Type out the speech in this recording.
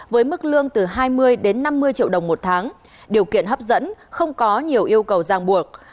với mức lương từ hai mươi đến năm mươi triệu đồng một tháng điều kiện hấp dẫn không có nhiều yêu cầu giang buộc